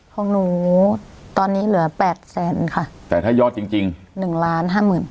ของหนูตอนนี้เหลือ๘แสนค่ะแต่ถ้ายอดจริง๑ล้าน๕๐๐๐๐